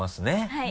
はい。